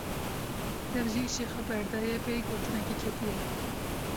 Dev ji îşê xwe berdaye pey gotinekê ketiye.